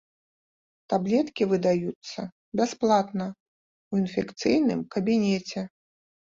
Таблеткі выдаюцца бясплатна ў інфекцыйным кабінеце.